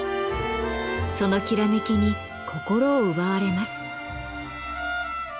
そのきらめきに心を奪われます。